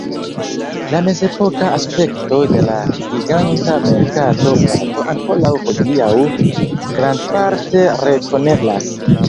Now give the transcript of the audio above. La mezepoka aspekto de la giganta merkata placo ankoraŭ hodiaŭ grandparte rekoneblas.